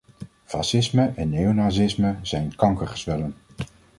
Fascisme en neonazisme zijn kankergezwellen.